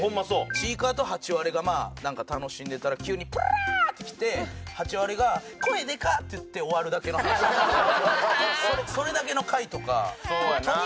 ちいかわとハチワレがまあ楽しんでたら急に「プルャ」って来てハチワレが「声でかっ」って言って終わるだけの話それだけの回とか。